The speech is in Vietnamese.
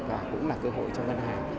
và cũng là cơ hội cho văn hài